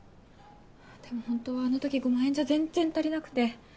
でもほんとはあのとき５万円じゃ全然足りなくて。